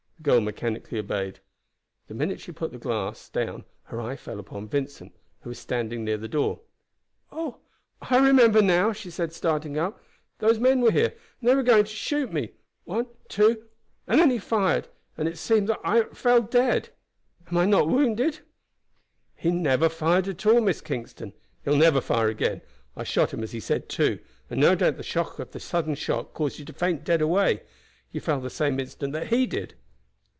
The girl mechanically obeyed. The minute she put down the glass her eye fell upon Vincent, who was standing near the door. "Oh! I remember now!" she said, starting up. "Those men were here and they were going to shoot me. One two and then he fired, and it seemed that I fell dead. Am I not wounded?" "He never fired at all, Miss Kingston; he will never fire again. I shot him as he said 'two,' and no doubt the shock of the sudden shot caused you to faint dead away. You fell the same instant that he did."